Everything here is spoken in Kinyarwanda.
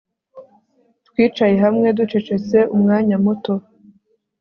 Twicaye hamwe ducecetse umwanya muto